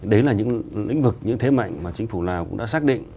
đấy là những lĩnh vực những thế mạnh mà chính phủ lào cũng đã xác định